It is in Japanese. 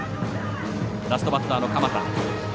ラストバッターの鎌田。